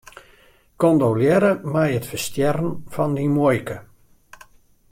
Kondolearre mei it ferstjerren fan dyn muoike.